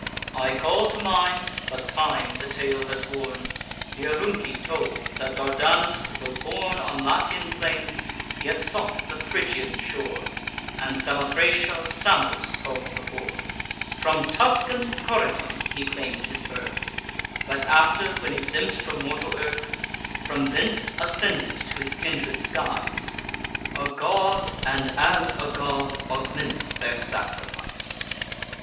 I call to mind (but time the tale has worn) Th' Arunci told, that Dardanus, tho' born On Latian plains, yet sought the Phrygian shore, And Samothracia, Samos call'd before. From Tuscan Coritum he claim'd his birth; But after, when exempt from mortal earth, From thence ascended to his kindred skies, A god, and, as a god, augments their sacrifice."